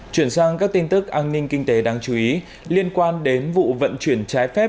chuyển sang các tin tức an ninh kinh tế đáng chú ý liên quan đến vụ vận chuyển trái phép